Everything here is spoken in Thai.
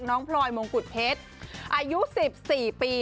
พลอยมงกุฎเพชรอายุ๑๔ปี